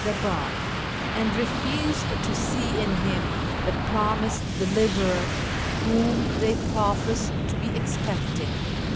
the Bab), and refused to see in him the Promised Deliverer whom they professed to be expecting.